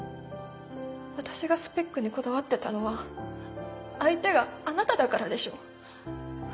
私がスペックにこだわってたのは相手があなただからでしょ？